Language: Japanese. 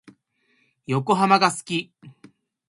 横浜が好き。